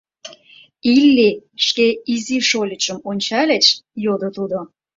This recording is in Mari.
— Илли, шке изи шольычым ончальыч? — йодо тудо.